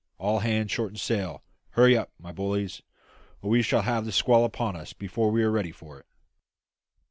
All hands shorten sail! Hurry up, my bullies, or we shall have the squall upon us before we are ready for it."